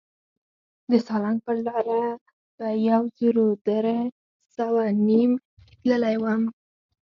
د سالنګ پر لاره په یو زر در سوه نویم کې تللی وم.